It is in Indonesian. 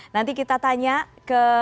nanti kita tanya ke